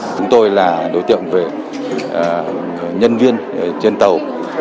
chúng tôi là đối tượng về nhân viên trên tàu